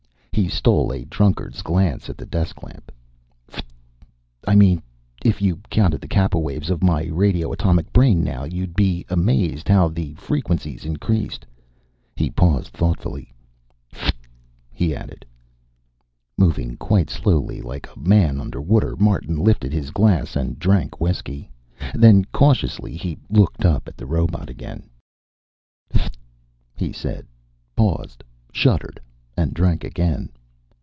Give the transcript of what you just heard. He stole a drunkard's glance at the desk lamp. "F(t) I mean, if you counted the kappa waves of my radio atomic brain now, you'd be amazed how the frequency's increased." He paused thoughtfully. "F(t)," he added. Moving quite slowly, like a man under water, Martin lifted his glass and drank whiskey. Then, cautiously, he looked up at the robot again. "F(t) " he said, paused, shuddered, and drank again.